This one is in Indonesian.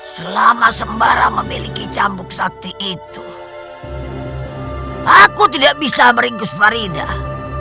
selama sembara memiliki cambuk sakti itu aku tidak bisa meringkus faridah